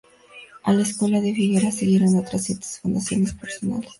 A la escuela de Figueras siguieron otras siete fundaciones personales.